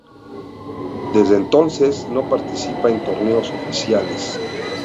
Desde entonces no participa en torneos oficiales.